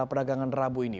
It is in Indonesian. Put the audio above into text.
peragangan rabu ini